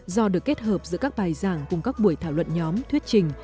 do được kết hợp giữa các bài giảng cùng các buổi thảo luận nhóm thuyết trình